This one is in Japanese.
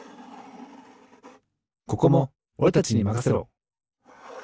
ここもおれたちにまかせろ！